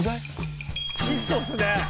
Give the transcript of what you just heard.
質素ですね。